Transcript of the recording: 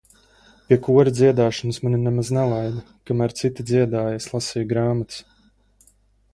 Pie kora dziedāšanas mani nemaz nelaida kamēr citi dziedāja es lasīju grāmatas.